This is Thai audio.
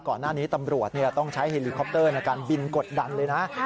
ก่อนหน้านี้ตำรวจต้องใช้เฮลิคอปเตอร์ในการบินกดดันเลยนะ